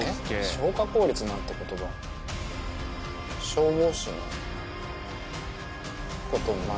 消火効率なんて言葉消防士のことを学ぶ。